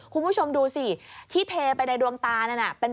คุณผู้ชมดูสิที่เทไปในดวงตานั่นน่ะ